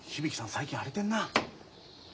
最近荒れてんな。